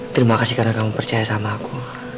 terima kasih karena kamu percaya sama aku